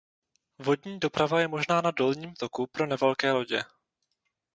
Vodní doprava je možná na dolním toku pro nevelké lodě.